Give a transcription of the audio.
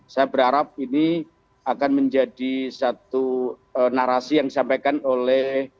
saya berharap ini akan menjadi satu narasi yang disampaikan oleh